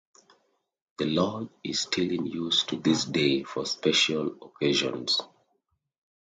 The lodge is still in use to this day for special occasions.